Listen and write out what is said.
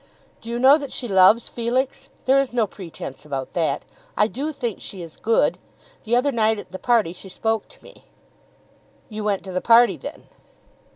"Do you know that she loves Felix? There is no pretence about that. I do think she is good. The other night at the party she spoke to me." "You went to the party, then?"